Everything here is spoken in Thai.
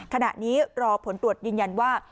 ขณะนี้รอผลตรวจยืนยันว่า